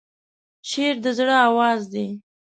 شعر د زړه آواز دی.